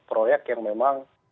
proyek yang memang